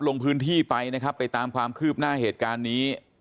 ลงพื้นที่ไปนะครับไปตามความคืบหน้าเหตุการณ์นี้